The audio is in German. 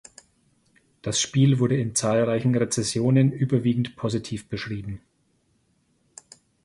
Das Spiel wurde in zahlreichen Rezensionen überwiegend positiv beschrieben.